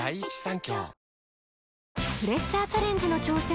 プレッシャーチャレンジの挑戦